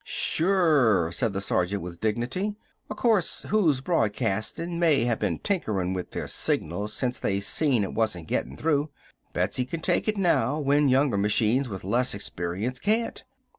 "Sure!" said the sergeant with dignity. "O' course, who's broadcastin' may have been tinkerin' with their signal since they seen it wasn't gettin' through. Betsy can take it now, when younger machines with less experience can't.